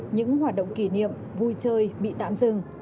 những hoạt động kỷ niệm vui chơi bị tạm dừng